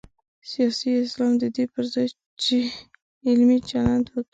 سیاسي اسلام د دې پر ځای چې علمي چلند وکړي.